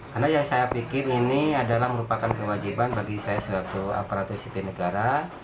karena yang saya pikir ini adalah merupakan kewajiban bagi saya sebagai aparatus sipil negara